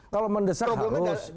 kalau mendesak harus